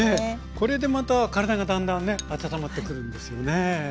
これでまた体がだんだんね温まってくるんですよね。